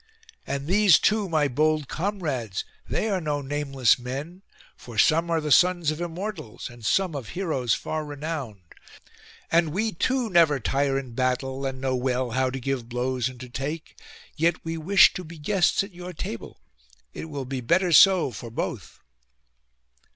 And these too, my bold comrades, they are no nameless men; for some are the sons of Immortals, and some of heroes far renowned. And we too never tire in battle, and know well how to give blows and to take: yet we wish to be guests at your table: it will be better so for both.